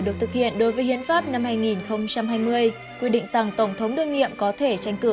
được thực hiện đối với hiến pháp năm hai nghìn hai mươi quy định rằng tổng thống đương nhiệm có thể tranh cử